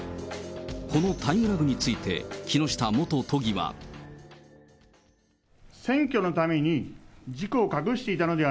このタイムラグについて、木下元都議は。